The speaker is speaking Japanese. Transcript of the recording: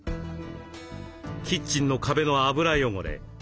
キッチンの壁の油汚れ。